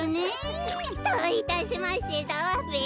どういたしましてだわべ。